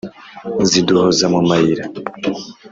ziduhoza mu mayira